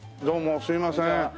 どうもすいません。